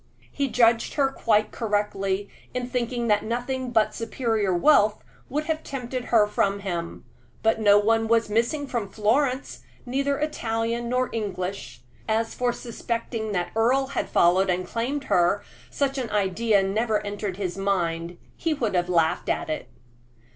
He judged her quite correctly in thinking that nothing but superior wealth would have tempted her from him; but no one was missing from Florence, neither Italian nor English. As for suspecting that Earle had followed and claimed her, such an idea never entered his mind; he would have laughed at it.